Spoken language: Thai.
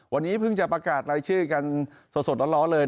วันนี้เพิ่งจะประกาศรายชื่อกันสดร้อนเลย